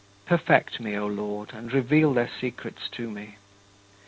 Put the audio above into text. Perfect me, O Lord, and reveal their secrets to me.